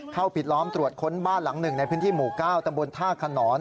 ปิดล้อมตรวจค้นบ้านหลังหนึ่งในพื้นที่หมู่๙ตำบลท่าขนอน